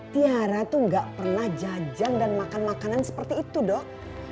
tiara tuh gak pernah jajan dan makan makanan seperti itu dok